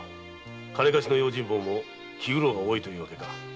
金貸しの用心棒も気苦労が多いというわけか。